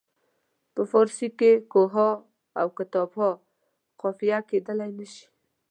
په فارسي کې کوه ها او کتاب ها قافیه کیدلای نه شي.